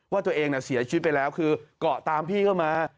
ว่าตัวเองเสียชีวิตไปแล้วคือเกาะตามพี่เข้ามา